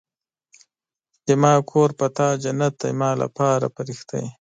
زما کور په تا جنت دی زما لپاره فرښته يې